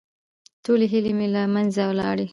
ټولې هيلې مې له منځه ولاړې.